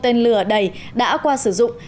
tên lửa đầy đã qua sử dụng